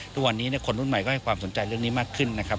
ทุกวันนี้คนรุ่นใหม่ก็ให้ความสนใจเรื่องนี้มากขึ้นนะครับ